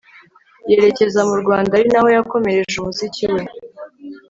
yerekeza mu rwanda ari naho yakomereje umuziki we